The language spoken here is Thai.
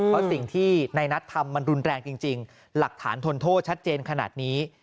เพราะสิ่งที่ในนัททำมันรุนแรงจริงหลักฐานทนโทษชัดเจนขนาดนี้